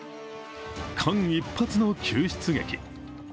間一髪の救出劇。